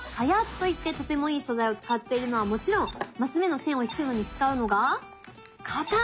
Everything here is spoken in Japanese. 「榧」といってとてもいい素材を使っているのはもちろんマス目の線を引くのに使うのが刀！